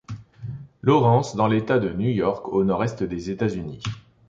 Lawrence, dans l’État de New York, au nord-est des États-Unis.